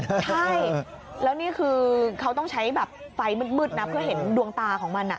ใช่แล้วนี่คือเขาต้องใช้แบบไฟมืดนะเพื่อเห็นดวงตาของมัน